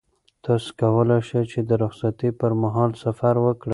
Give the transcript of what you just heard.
تاسو کولای شئ چې د رخصتۍ پر مهال سفر وکړئ.